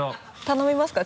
頼みますか？